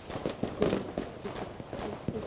د ایران خصوصي سکتور له ستونزو سره مخ دی.